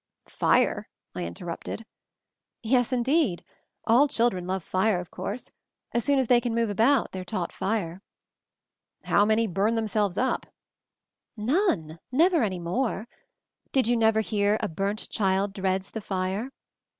"Fire?" I interrupted. "Yes, indeed. All children love fire, of course. As soon as they can move about they are taught fire." 214 MOVING THE MOUNTAIN it How many burn themselves up?" 'None. Never any more. Did you never hear 'a burnt child dreads the fire'?